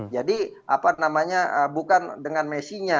jadi apa namanya bukan dengan messi nya